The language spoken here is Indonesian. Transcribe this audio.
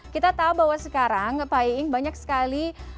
kita tahu bahwa sekarang pak iing banyak sekali